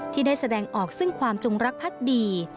ที่ได้แสดงออกซึ่งความจงรักพักดี